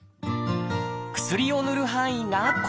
薬をぬる範囲がこちら。